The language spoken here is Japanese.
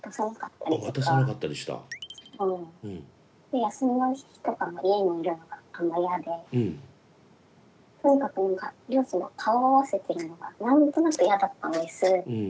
で休みの日とかも家にいるのがあんま嫌でとにかく何か両親と顔を合わせてるのが何となく嫌だったんです。